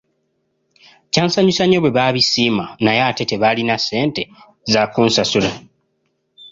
Kyansanyusa nnyo bwe baabisiima naye nga tebalina ssente za kunsasula.